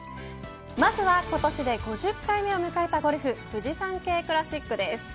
まずは今年で５０回目を迎えたゴルフフジサンケイクラシックです。